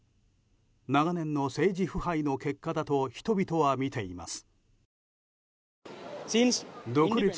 長年の政治腐敗の結果だと人々はみています。